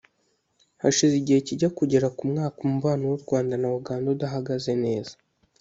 Hashize igihe kijya kugera ku mwaka umubano w’u Rwanda na Uganda udahagaze neza